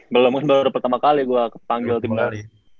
belum mungkin baru pertama kali gue kepanggil tim nas